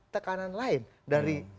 tekanan lain dari